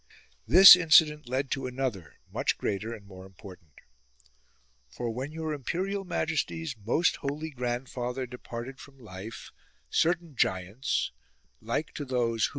This incident led to another much greater and more important. For, when your imperial majesty's most holy grandfather departed from life, certain giants (like to those who.